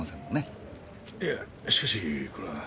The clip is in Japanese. いやしかしこれは。